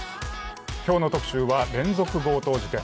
今日の特集は連続強盗事件。